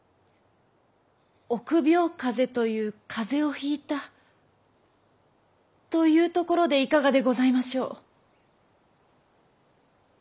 臆病風邪という風邪をひいたというところでいかがでございましょう。